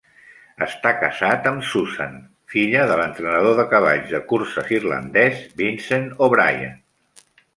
Està casat amb Susan, filla de l'entrenador de cavalls de curses irlandès Vincent O'Brien.